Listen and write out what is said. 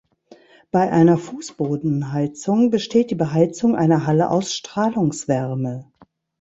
Bei einer Fußbodenheizung besteht die Beheizung einer Halle aus Strahlungswärme.